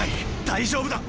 大丈夫だ！な！？